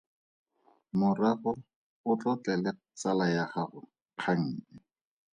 Morago o tlotlele tsala ya gago kgang e.